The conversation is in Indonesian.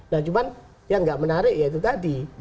nah cuman yang tidak menarik ya itu tadi